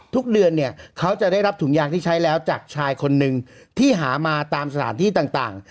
ทุกเดือนเนี่ยเขาจะได้รับถุงยางที่ใช้แล้วจากชายคนนึงที่หามาตามสถานที่ต่าง